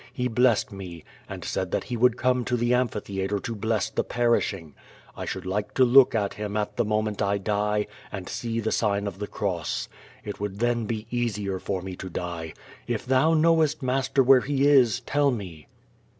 He blessed me, and said that he would come to the amphi theatre to bless the perishing. I should like to look at him at the moment I die and see the sign o( the cross. It would then be easier for me to die. If thou k no west, master, where he is, tell me.